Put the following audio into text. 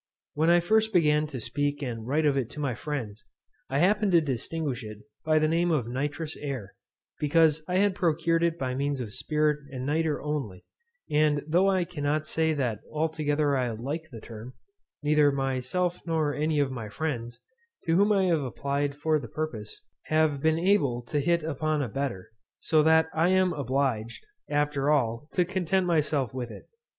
When I first began to speak and write of it to my friends, I happened to distinguish it by the name of nitrous air, because I had procured it by means of spirit of nitre only; and though I cannot say that I altogether like the term, neither myself nor any of my friends, to whom I have applied for the purpose, have been able to hit upon a better; so that I am obliged, after all, to content myself with it.